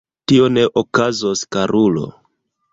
Tio ne okazos, karulo.